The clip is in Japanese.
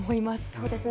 そうですね。